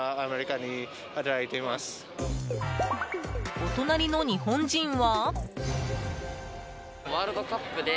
お隣の日本人は？